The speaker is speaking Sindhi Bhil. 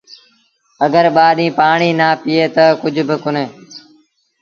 اَگر ٻآ ڏيٚݩهݩ پآڻيٚ نا پيٚئي تا ڪجھ با ڪونهي۔